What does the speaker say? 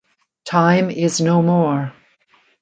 Time is no more.